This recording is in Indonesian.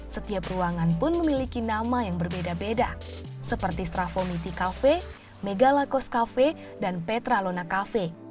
setiap ruangan pun memiliki nama yang berbeda beda seperti strafomiti cafe megalakos cafe dan petralona cafe